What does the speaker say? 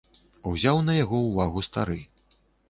Узяў на яго ўвагу стары.